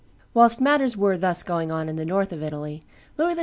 Whilst matters were thus going on in the north of Italy, Louis XII.